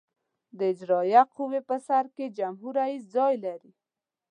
د اجرائیه قوې په سر کې جمهور رئیس ځای لري.